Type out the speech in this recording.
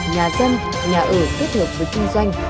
nhà dân nhà ở kết hợp với chung doanh